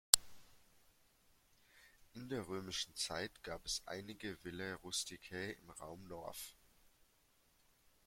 In der römischen Zeit gab es einige Villae rusticae im Raum Norf.